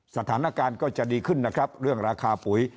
สถานการณ์ก็จะดีขึ้นนะครับเรื่องราคาปุ๋ย